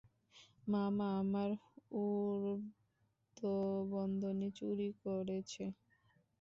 মামা, আমার উরূবন্ধনী চুরি করেছে।